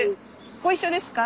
ご一緒ですか？